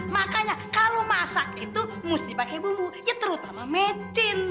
makanya kalau masak itu mesti pakai bumbu ya terutama metin